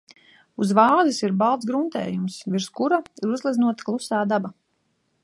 Uz vāzes ir balts gruntējums, virs kura ir uzgleznota klusā daba.